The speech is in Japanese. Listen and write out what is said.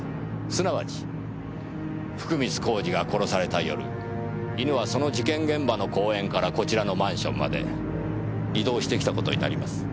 すなわち福光公次が殺された夜犬はその事件現場の公園からこちらのマンションまで移動してきた事になります。